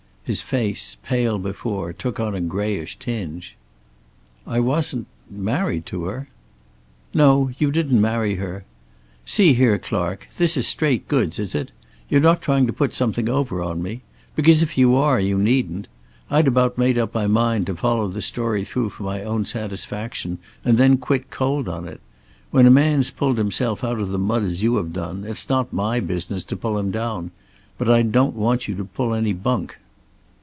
His face, pale before, took on a grayish tinge. "I wasn't married to her?" "No. You didn't marry her. See here, Clark, this is straight goods, is it? You're not trying to put something over on me? Because if you are, you needn't. I'd about made up my mind to follow the story through for my own satisfaction, and then quit cold on it. When a man's pulled himself out of the mud as you have it's not my business to pull him down. But I don't want you to pull any bunk."